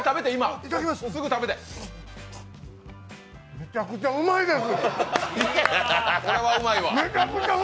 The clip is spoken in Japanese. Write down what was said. むちゃくちゃうまいです。